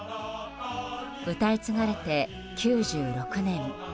歌い継がれて９６年。